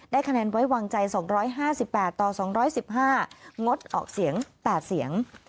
คะแนนไว้วางใจ๒๕๘ต่อ๒๑๕งดออกเสียง๘เสียง